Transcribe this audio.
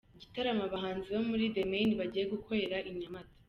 Igitaramo abahanzi bo muri The Mane bagiye gukorera i Nyamata.